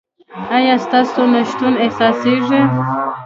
ایا ستاسو نشتون احساسیږي؟